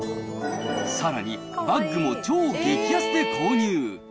さらに、バッグも超激安で購入。